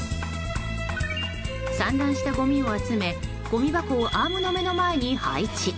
散乱したごみを集めごみ箱をアームの目の前に配置。